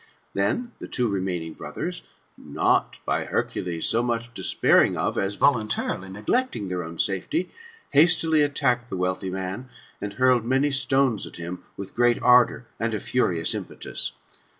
Then the two remaining brothers, not, by Hercules, so much despairii^ of, as voluntarily neglecting, their own safety, hastily attacked the wealthy man, and hurled many stones at him, with great ardour, and a furious impetus.